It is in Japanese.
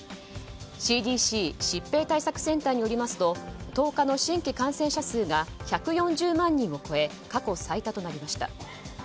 ＣＤＣ・疾病対策センターによりますと１０日の新規感染者数が１４０万人を超え過去最多となりました。